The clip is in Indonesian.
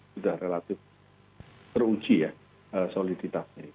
sudah relatif teruji ya soliditasnya